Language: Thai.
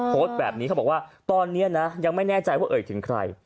โพสต์แบบนี้เขาบอกว่าตอนนี้นะยังไม่แน่ใจว่าเอ่ยถึงใคร